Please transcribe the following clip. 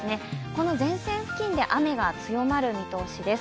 この前線付近で雨が強まる見通しです。